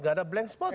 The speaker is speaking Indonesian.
gak ada blank spot